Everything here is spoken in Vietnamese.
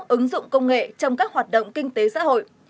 ứng dụng công nghệ trong các hoạt động kinh tế xã hội